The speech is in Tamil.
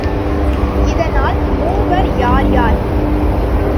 இதனால், மூவர் யார் யார்?